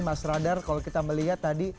mas radar kalau kita melihat tadi